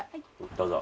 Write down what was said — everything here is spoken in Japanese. ・どうぞ。